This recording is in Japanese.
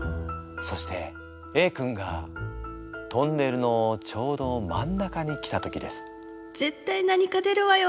そしてＡ君がトンネルのちょうど真ん中に来た時です。